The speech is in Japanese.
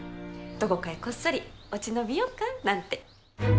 どこかへこっそり落ち延びようかなんて。